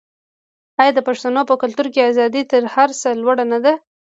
آیا د پښتنو په کلتور کې ازادي تر هر څه لوړه نه ده؟